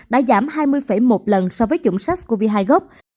đã giảm hai mươi một lần so với chủng sars cov hai gốc